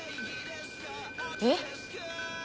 えっ？